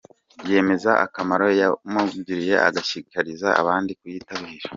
Yemeza akamaro yamugiriye agashishikariza abandi kuyitabira.